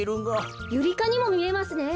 ユリかにもみえますね。